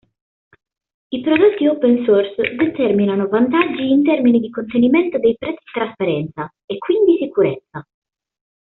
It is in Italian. I prodotti open source determinano vantaggi in termini di contenimento dei prezzi trasparenza, e quindi sicurezza.